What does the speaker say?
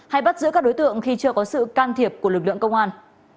hay bắt giữ các đối tượng khi chưa có sự can thiệp của lực lượng công an